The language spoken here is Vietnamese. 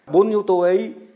bốn yếu tố ấy